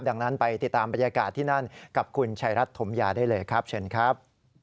ดังนั้นไปติดตามบรรยากาศที่นั่นกับคุณชายรัฐถมยาได้เลยครับเชิญครับ